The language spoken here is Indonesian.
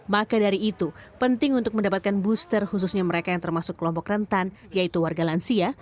maka dari itu penting untuk mendapatkan booster khususnya mereka yang termasuk kelompok rentan yaitu warga lansia